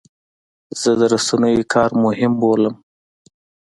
زه د رسنیو کار مهم بولم.